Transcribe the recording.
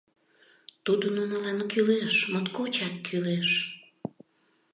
Тудо нунылан кӱлеш, моткочак кӱлеш.